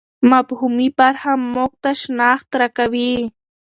مفهومي برخه موږ ته شناخت راکوي.